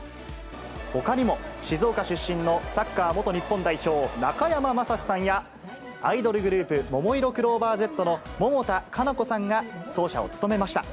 ほかにも、静岡出身のサッカー元日本代表、中山雅史さんや、アイドルグループ、ももいろクローバーＺの百田夏菜子さんが走者を務めました。